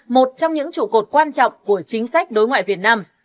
một trong những trụ cột quan trọng của chính sách đối ngoại việt nam